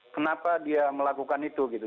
kenapa dia melakukan itu gitu